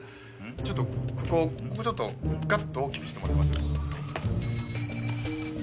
ちょっとここもうちょっとガッと大きくしてもらえます？